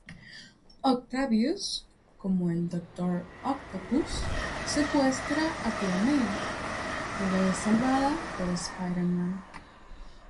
Octavius, como el Dr. Octopus, secuestra a Tía May, pero es salvada por Spider-Man.